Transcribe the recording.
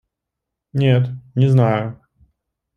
Нет, не знаю.